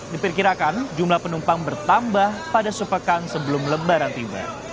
diperkirakan jumlah penumpang bertambah pada sepekan sebelum lebaran tiba